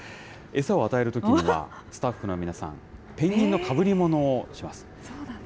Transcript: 餌を与えるときには、スタッフの皆さん、ペンギンのかぶりものをします。